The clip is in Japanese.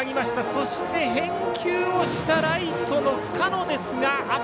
そして、返球したライトの深野ですが。